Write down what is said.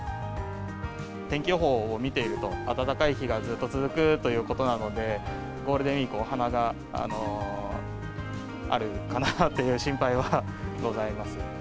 天気予報を見ていると、暖かい日がずっと続くということなので、ゴールデンウィーク、お花があるかなという心配はございます。